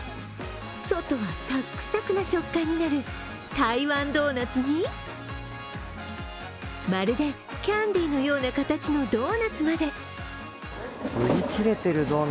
外はサックサクな食感になる台湾ドーナツに、まるでキャンディーのような形のドーナツまで。